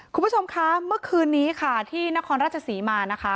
คุณผู้ชมคะเมื่อคืนนี้ค่ะที่นครราชศรีมานะคะ